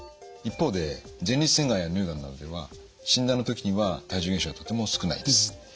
一方で前立腺がんや乳がんなどでは診断の時には体重減少はとても少ないです。